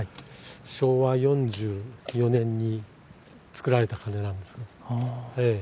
昭和４４年につくられた鐘なんですが。